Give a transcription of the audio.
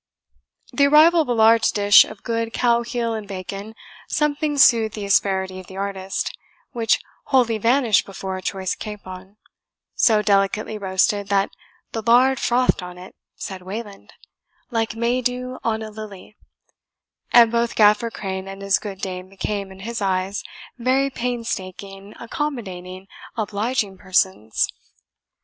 The arrival of a large dish of good cow heel and bacon something soothed the asperity of the artist, which wholly vanished before a choice capon, so delicately roasted that the lard frothed on it, said Wayland, like May dew on a lily; and both Gaffer Crane and his good dame became, in his eyes, very painstaking, accommodating, obliging persons.